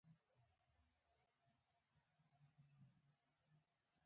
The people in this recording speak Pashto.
په خپله یې قدرت ونیوی.